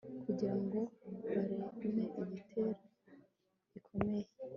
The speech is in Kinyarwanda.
kugira ngo bareme igitero gikomeye